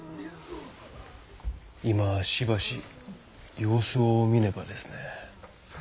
今しばし様子を見ねばですね。